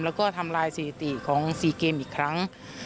แล้วก็ทำลายสถิติของ๔เกมอีกครั้ง